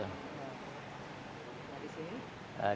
nah di sini